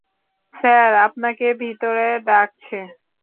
Sir, আপনাকে ভিতরে ডাকছে।